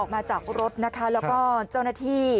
มาจากรถนะคะแล้วก็เจ้าหน้าที่